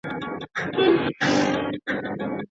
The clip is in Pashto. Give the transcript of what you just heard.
ایا تکړه پلورونکي پسته صادروي؟